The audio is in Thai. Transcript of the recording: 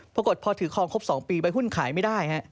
ปรากฏพอถือคลองครบ๒ปีใบหุ้นขายไม่ได้